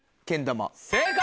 正解！